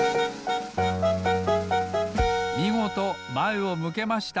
みごとまえを向けました！